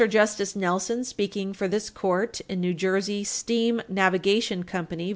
Justice Nelson, speaking for this court in New Jersey Steam Navigation Co. v.